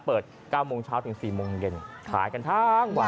๙โมงเช้าถึง๔โมงเย็นขายกันทั้งวัน